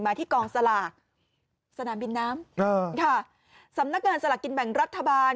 ที่กองสลากสนามบินน้ำค่ะสำนักงานสลากกินแบ่งรัฐบาล